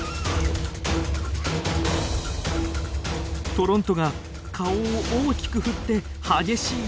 トロントが顔を大きく振って激しい威嚇。